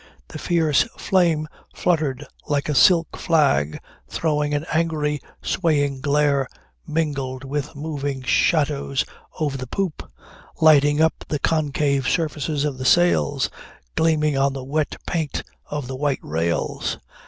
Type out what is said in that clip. The fierce flame fluttered like a silk flag, throwing an angry swaying glare mingled with moving shadows over the poop, lighting up the concave surfaces of the sails, gleaming on the wet paint of the white rails.